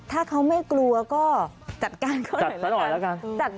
ถ้าเขาไม่กลัวก็จัดการเขาหน่อยละกัน